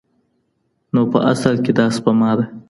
نو په اصل کې دا سپما ده.